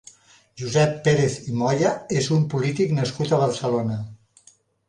Josep Pérez i Moya és un polític nascut a Barcelona.